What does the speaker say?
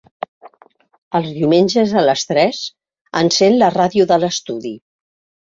Els diumenges a les tres encèn la ràdio de l'estudi.